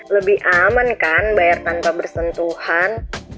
lebih aman kan bayar tanpa bersentuhan